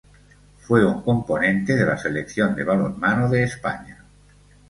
Fue un componente de la Selección de balonmano de España.